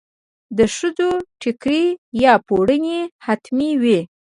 د ښځو ټیکری یا پړونی حتمي وي.